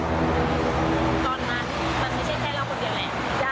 ตอนนั้นมันไม่ใช่แค่เราคนเดียวแหละ